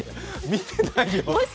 見てないの？